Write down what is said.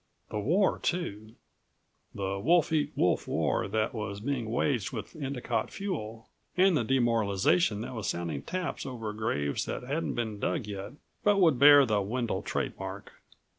The war, too the wolf eat wolf war that was being waged with Endicott Fuel, and the demoralization that was sounding taps over graves that hadn't been dug yet but would bear the Wendel trademark.